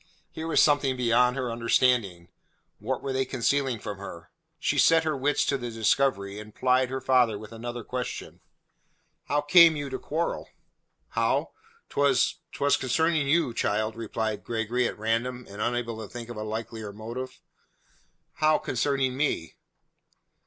Here was something beyond her understanding. What were they concealing from her? She set her wits to the discovery and plied her father with another question. "How came you to quarrel?" "How? 'Twas 'twas concerning you, child," replied Gregory at random, and unable to think of a likelier motive. "How, concerning me?"